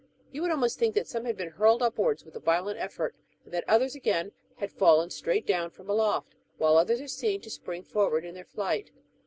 You would almost think that some had been hurled upwards with a violent eff'ort, and that others, again, had fallen straight down from aloft ; while others are seen to spring forward in their flight.